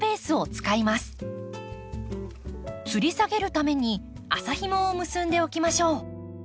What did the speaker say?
つり下げるために麻ひもを結んでおきましょう。